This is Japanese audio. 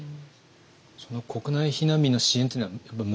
その国内避難民の支援っていうのはやっぱり難しいですか？